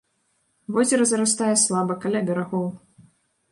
Возера зарастае слаба каля берагоў.